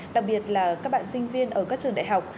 đặc biệt là các bạn sinh viên ở các trường đại học